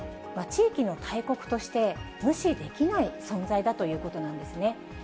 地域の大国として、無視できない存在だということなんですね。